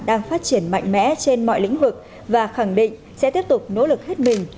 đang phát triển mạnh mẽ trên mọi lĩnh vực và khẳng định sẽ tiếp tục nỗ lực hết mình